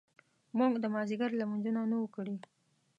موږ د مازیګر لمونځونه نه وو کړي.